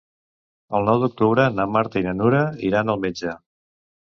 El nou d'octubre na Marta i na Nura iran al metge.